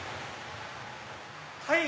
はい。